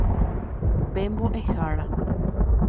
Pe mbo'ehára.